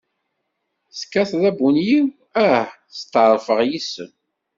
Tekkateḍ abunyiw ah! Setɛerfeɣ yis-m.